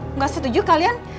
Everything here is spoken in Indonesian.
enggak setuju kalian